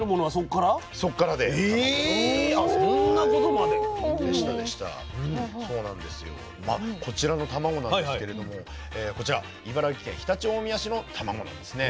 まあこちらのたまごなんですけれどもこちら茨城県常陸大宮市のたまごなんですね。